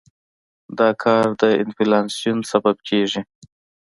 دا کار د انفلاسیون سبب کېږي.